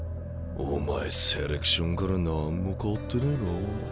お前セレクションから何も変わってねえなあ。